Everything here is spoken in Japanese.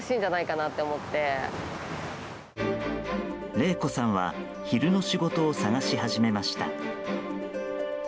レイコさんは昼の仕事を探し始めました。